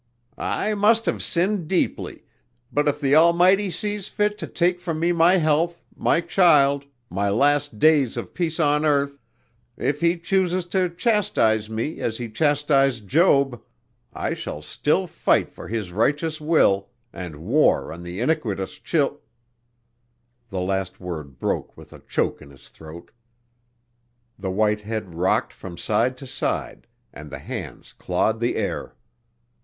"I must have sinned deeply but if the Almighty sees fit to take from me my health, my child, my last days of peace on earth if He chooses to chastise me as He chastised Job I shall still fight for His righteous will, and war on the iniquitous chil " The last word broke with a choke in his throat. The white head rocked from side to side and the hands clawed the air.